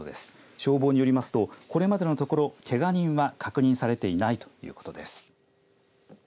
消防によりますと、これまでのところ、けが人は確認されていないということです。